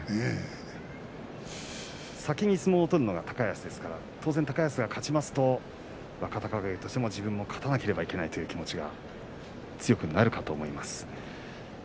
先に相撲を取るのが高安ですから高安が勝ちますと若隆景は自分も勝たなければいけないという気持ちが強くなると思います。